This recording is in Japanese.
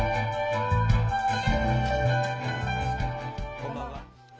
こんばんは。